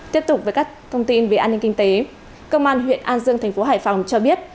tiếp tục với các thông tin về an ninh kinh tế công an huyện an dương thành phố hải phòng cho biết